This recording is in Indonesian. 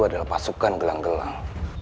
adalah pasukan gelang gelang